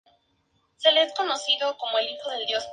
Actualmente se dedica a la agricultura y al comercio.